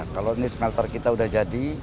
kalau ini smelter kita udah jadi